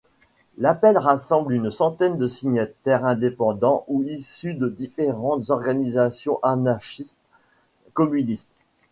L'appel rassemble une centaine de signataires indépendants ou issus de différentes organisations anarchistes-communistes.